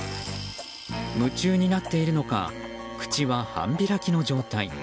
夢中になっているのか口は半開きの状態。